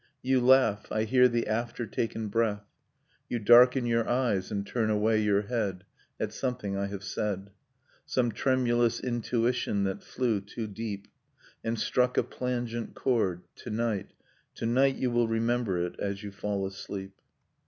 You laugh, I hear the after taken breath. You darken your eyes, and turn away your head, At something I have said — Some tremulous intuition that flew too deep, And struck a plangent chord ... to night, to night. You will remember it as you fall asleep.